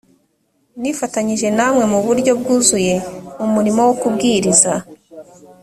nifatanyije namwe mu buryo bwuzuye mu murimo wo kubwiriza